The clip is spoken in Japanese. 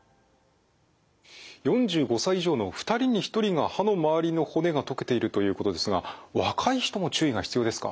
４５歳以上の２人に１人が歯の周りの骨が溶けているということですが若い人も注意が必要ですか？